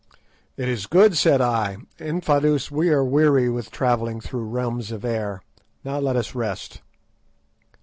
"It is good," said I. "Infadoos; we are weary with travelling through realms of air; now let us rest."